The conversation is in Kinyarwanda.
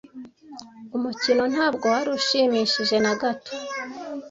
Umukino ntabwo wari ushimishije na gato.